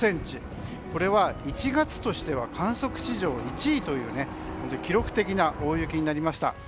これは１月としては観測史上１位という記録的な大雪になりました。